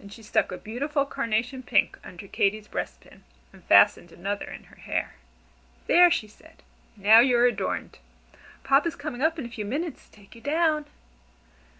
And she stuck a beautiful carnation pink under Katy's breast pin and fastened another in her hair. "There!" she said, "now you're adorned. Papa is coming up in a few minutes to take you down."